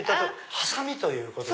ハサミということで。